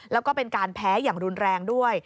แล้วก็เป็นการแพ้อย่างรุนแรงด้วย